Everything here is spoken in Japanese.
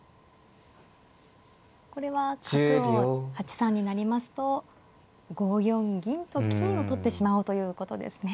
これは角を８三に成りますと５四銀と金を取ってしまおうということですね。